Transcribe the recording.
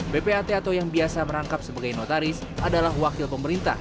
ppat atau yang biasa merangkap sebagai notaris adalah wakil pemerintah